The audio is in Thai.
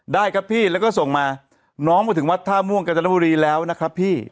ได้ครับพี่แล้วก็ส่งมาน้องมาถึงวัดท่าม่วงกาญจนบุรีแล้วนะครับพี่